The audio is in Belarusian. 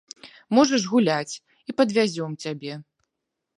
Можаш гуляць, і падвязём цябе.